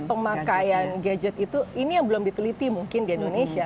jadi memang pemakaian gadget itu ini yang belum diteliti mungkin di indonesia